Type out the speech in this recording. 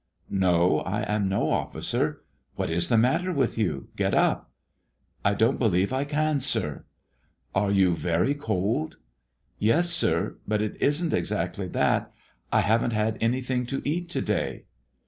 "No; I am no officer. What is the matter with you? Get up." "I don't believe I can, sir." "Are you very cold?" "Yes, sir; but it isn't exactly that, I haven't had anything to eat to day."